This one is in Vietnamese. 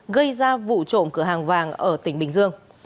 gây ra vụ trộm cửa hàng vàng ở tỉnh bình dương